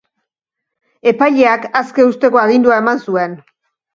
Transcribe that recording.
Epaileak aske uzteko agindua eman zuen.